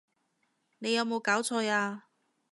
你有無攪錯呀！